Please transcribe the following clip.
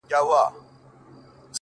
زه هم د هغوی اولاد يم’